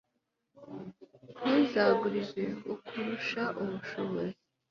ntuzagurize ukurusha ubushobozi